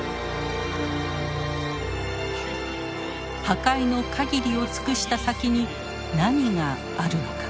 破壊のかぎりを尽くした先に何があるのか。